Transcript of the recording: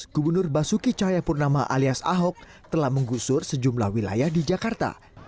gubernur basuki cahayapurnama alias ahok telah menggusur sejumlah wilayah di jakarta